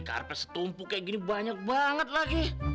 karpet setumpu kayak gini banyak banget lagi